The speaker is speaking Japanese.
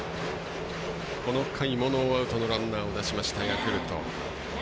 この回もノーアウトのランナーを出しました、ヤクルト。